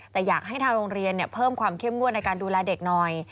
แต่อยากให้ทางโรงเรียนเพิ่มความเข้มงวดในการดูแลเด็กหน่อย